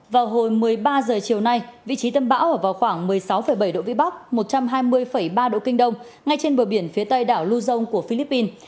vào hồi một mươi ba h chiều nay vị trí tâm bão ở vào khoảng một mươi sáu bảy độ vĩ bắc một trăm hai mươi ba độ kinh đông ngay trên bờ biển phía tây đảo luzon của philippines